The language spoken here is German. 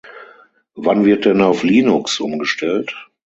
Wann wird denn auf Linux umgestellt?